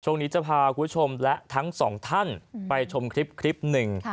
ช่วงนี้จะพาคุณผู้ชมและทั้งสองท่านไปชมคลิปหนึ่ง